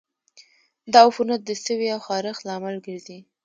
دا عفونت د سوي او خارښت لامل ګرځي.